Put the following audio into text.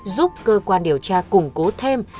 giúp cơ quan điều tra củng cố thêm